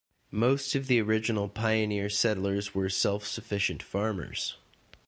Most of the original pioneer settlers were self-sufficient farmers.